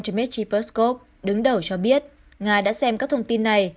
dmitry peskov đứng đầu cho biết nga đã xem các thông tin này